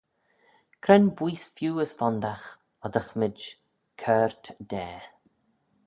Cre'n booise feeu as fondagh oddysmayd coyrt da?